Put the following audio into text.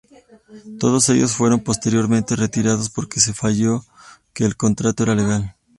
Todos ellos fueron posteriormente retirados porque se falló que el contrato era legal.